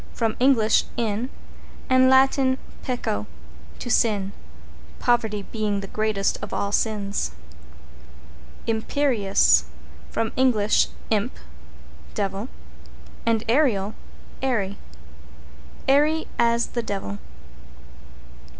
From Eng. in, and Lat. pecco, to sin, poverty being the greatest of all sins. =IMPERIOUS= From Eng. imp, devil and aerial, airy. Airy as the devil.